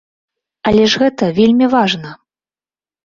Але ж гэта вельмі важна!